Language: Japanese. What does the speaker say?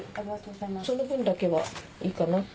その分だけはいいかなって。